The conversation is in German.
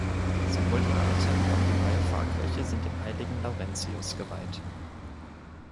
Sowohl die alte, wie auch die neue Pfarrkirche sind dem Heiligen Laurentius geweiht.